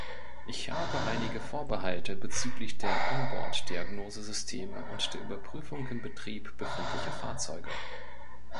Ich habe einige Vorbehalte bezüglich der On-Board-Diagnose-Systeme und der Überprüfung in Betrieb befindlicher Fahrzeuge.